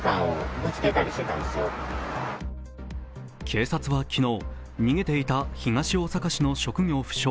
警察は昨日、逃げていた東大阪市の職業不詳